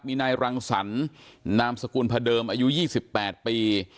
มีนายรังสันนอภอาย๒๘ปี